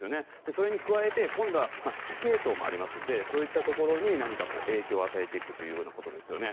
それに加えて指揮系統もありますのでそういったところに影響を与えていくということですね。